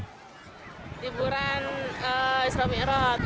liburan isra miraj